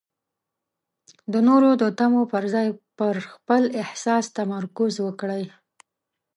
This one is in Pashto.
د نورو د تمو پر ځای پر خپل احساس تمرکز وکړئ.